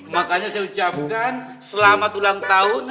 makanya saya ucapkan selamat ulang tahun